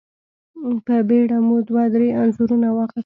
په بېړه مو دوه درې انځورونه واخيستل.